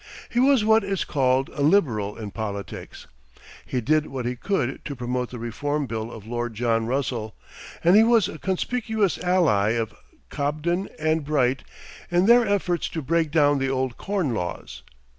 He was what is called a Liberal in politics. He did what he could to promote the reform bill of Lord John Russell, and he was a conspicuous ally of Cobden and Bright in their efforts to break down the old corn laws.